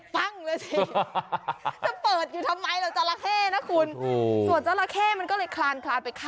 เปิดหน่อย